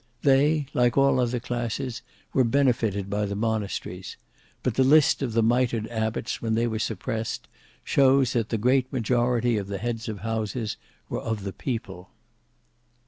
They, like all other classes, were benefitted by the monasteries: but the list of the mitred abbots when they were suppressed, shows that the great majority of the heads of houses were of the people."